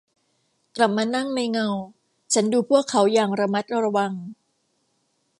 กลับมานั่งในเงาฉันดูพวกเขาอย่างระมัดระวัง